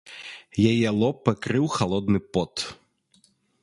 Яе лоб пакрыў халодны пот.